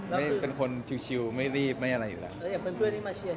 อยากเป็นเพื่อนนี้มาเชียร์ตั้งแต่แรกนี้คือ